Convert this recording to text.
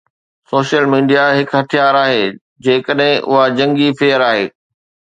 Social media هڪ هٿيار آهي جيڪڏهن اها جنگي فيئر آهي.